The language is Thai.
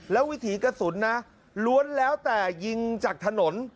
แล้ววิถีกระสุนนะล้วนแล้วแต่ยิงจากถนน